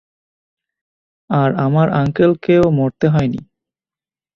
আর আমার আঙ্কেলকেও মরতে হয়নি।